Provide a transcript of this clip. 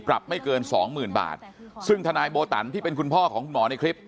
ไม่เกินสองหมื่นบาทซึ่งทนายโบตันที่เป็นคุณพ่อของคุณหมอในคลิป